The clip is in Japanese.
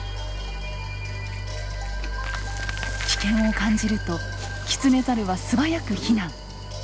危険を感じるとキツネザルは素早く避難。